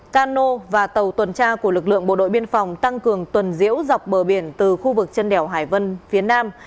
cano và tàu tuần tra của lực lượng bộ đội biên phòng tăng cường tuần diễu dọc bờ biển từ khu vực chân đèo hải vân phía nam